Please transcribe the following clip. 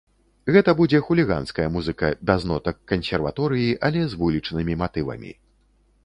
Гэта будзе хуліганская музыка без нотак кансерваторыі, але з вулічнымі матывамі.